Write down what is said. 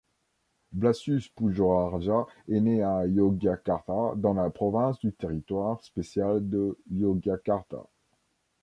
Blasius Pujoraharja est né à Yogyakarta dans la province du Territoire spécial de Yogyakarta.